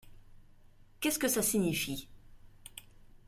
Qu’est-ce que ça signifie ?